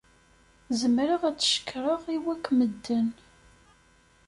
Zemreɣ ad t-cekṛeɣ i wakk medden.